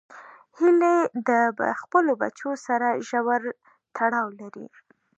هیلۍ د خپلو بچو سره ژور تړاو لري